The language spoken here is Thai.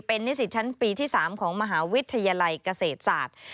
เป็นนิสิตชั้นปีที่๓ของมหาวิทยาลัยเกษตรศาสตร์